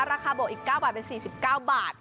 ราคาโบกอีก๙บาทเป็น๔๙บาท